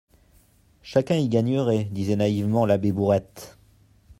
-Chacun y gagnerait, disait naïvement l'abbé Bourrette.